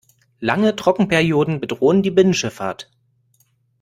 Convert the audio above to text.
Lange Trockenperioden bedrohen die Binnenschifffahrt.